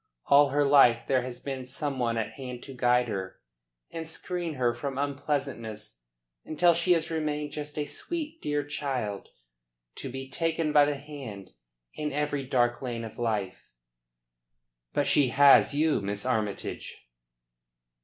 All her life there has been some one at hand to guide her and screen her from unpleasantness until she has remained just a sweet, dear child to be taken by the hand in every dark lane of life." "But she has you, Miss Armytage."